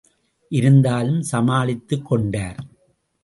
இருந்தாலும் சமாளித்துக் கொண்டார்.